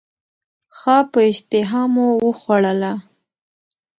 ښه په اشتهامو وخوړله.